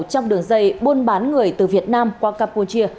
trong đường dây buôn bán người từ việt nam qua campuchia